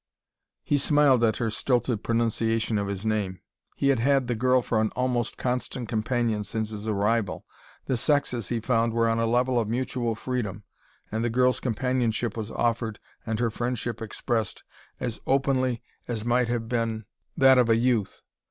He smiled at her stilted pronunciation of his name. He had had the girl for an almost constant companion since his arrival; the sexes, he found, were on a level of mutual freedom, and the girl's companionship was offered and her friendship expressed as openly as might have been that of a youth.